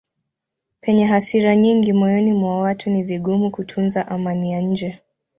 Penye hasira nyingi moyoni mwa watu ni vigumu kutunza amani ya nje.